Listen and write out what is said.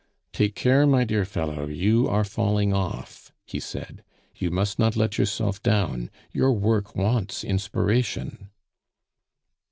"Take care, my dear fellow, you are falling off," he said. "You must not let yourself down, your work wants inspiration!"